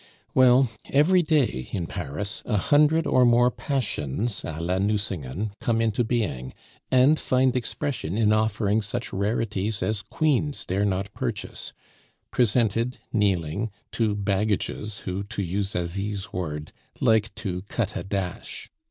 Well, every day in Paris a hundred or more passions a la Nucingen come into being, and find expression in offering such rarities as queens dare not purchase, presented, kneeling, to baggages who, to use Asie's word, like to cut a dash.